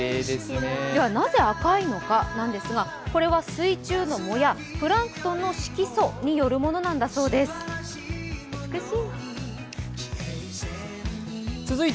ではなぜ赤いのかなんですが、これは水中の藻やプランクトンの色素によるものなんだそうです、美しい。